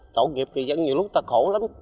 tội nghiệp thì dân nhiều lúc ta khổ lắm